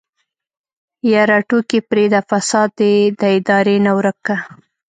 يره ټوکې پرېده فساد دې د ادارې نه ورک که.